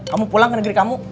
kamu pulang ke negeri kamu